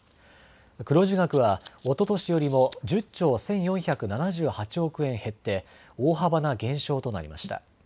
黒字額はおととしよりも１０兆１４７８億円減って大幅な減少となりました。